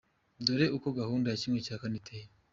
Dore uko gahunda ya ¼ iteye:.